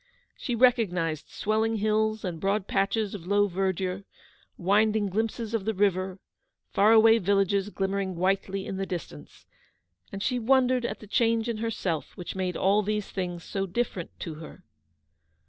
She recog nised swelling hills and broad patches of low verdure, winding glimpses of the river, far away 198 Eleanor's victory. villages glimmering whitely in the distance, and she wondered at the change in herself which made ' all these things so different to her.